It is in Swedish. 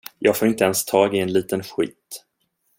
Jag får inte ens tag i en liten skit.